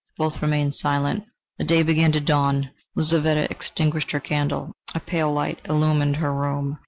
Both remained silent. The day began to dawn. Lizaveta extinguished her candle: a pale light illumined her room.